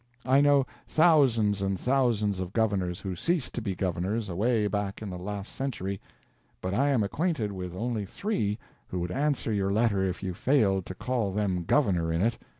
I know thousands and thousands of governors who ceased to be governors away back in the last century; but I am acquainted with only three who would answer your letter if you failed to call them "Governor" in it.